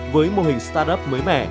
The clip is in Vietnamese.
với mô hình start up mới mẻ